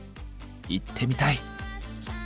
行ってみたい！